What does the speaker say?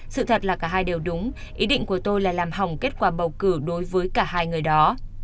sự thật là cả hai đều đúng ý định của tôi là làm hỏng kết quả bầu cử đối với cả hai người đó